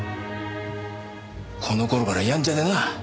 この頃からやんちゃでな。